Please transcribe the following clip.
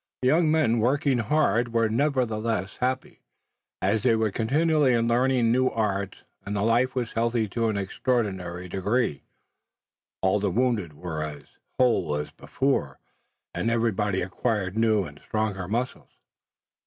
The young men working hard were happy nevertheless, as they were continually learning new arts. And the life was healthy to an extraordinary degree. All the wounded were as whole as before, and everybody acquired new and stronger muscles.